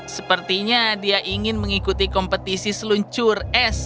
sepertinya dia ingin mengikuti kompetisi seluncur es